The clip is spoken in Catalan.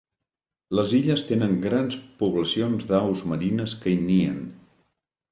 Les illes tenen grans poblacions d'aus marines que hi nien.